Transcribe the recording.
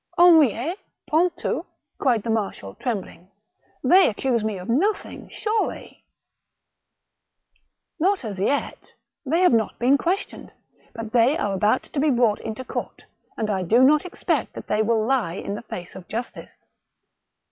*' Henriet, Pontou !" cried the marshal, trembling ;" they accuse me of nothing, surely !" THE MAR^CHAL DE RBTZ. 215 *' Not as yet, they have not heen questioned, but they are about to be brought into court, and I do not expect that they will lie in the face of justice.''